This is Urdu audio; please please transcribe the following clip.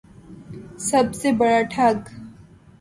سب سے بڑا ٹھگ